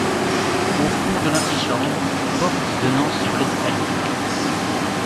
Au fond de l’antichambre, porte donnant sur l’escalier.